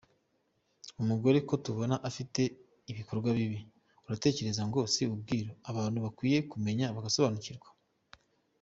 Umugore ko tubona afite ibikorwa bibi uratekereza ngo si ubwiru abantu bakwiye kumenya bagasobanukirwa.